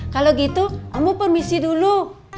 kalo gitu ambo permisi dulu